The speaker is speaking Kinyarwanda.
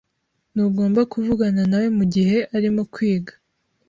Ntugomba kuvugana nawe mugihe arimo kwiga.